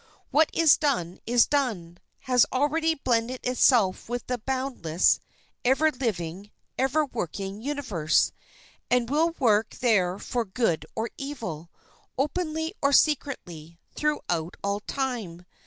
What is done, is done—has already blended itself with the boundless, ever living, ever working universe, and will work there for good or evil, openly or secretly, throughout all time.